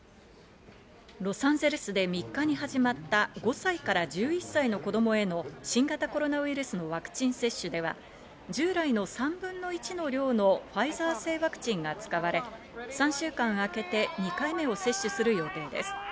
ロサンゼルスで３日に始まった５歳から１１歳の子供への新型コロナウイルスのワクチン接種では従来の３分の１の量のファイザー製ワクチンが使われ、３週間あけて２回目を接種する予定です。